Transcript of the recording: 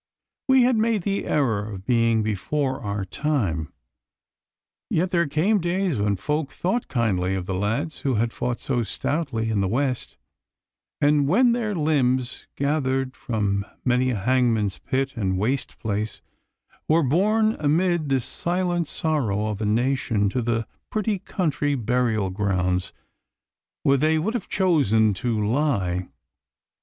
We had made the error of being before our time. Yet there came days when folk thought kindly of the lads who had fought so stoutly in the West, and when their limbs, gathered from many a hangman's pit and waste place, were borne amid the silent sorrow of a nation to the pretty country burial grounds where they would have chosen to lie.